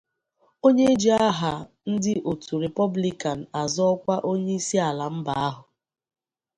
onye ji aha ndị otu Rịpọlikan azọ ọkwa onye isi ala mba ahụ